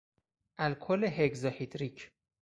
الکل هگزا هیدریک